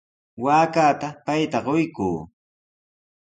Waakata payta quykuu.